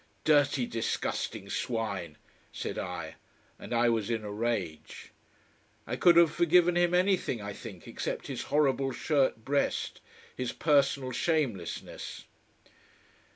"Dirty, disgusting swine!" said I, and I was in a rage. I could have forgiven him anything, I think, except his horrible shirt breast, his personal shamelessness.